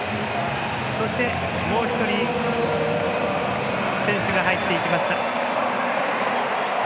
そして、もう１人選手が入っていきました。